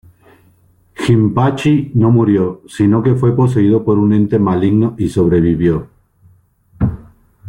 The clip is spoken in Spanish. Jinpachi no murió, sino que fue poseído por un ente maligno y sobrevivió.